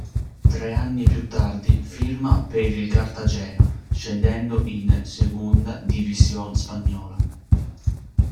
Tre anni più tardi firma per il Cartagena, scendendo in Segunda División spagnola.